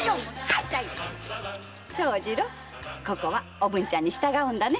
長次郎ここはおぶんちゃんに従うんだね。